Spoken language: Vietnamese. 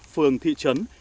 phường thị trấn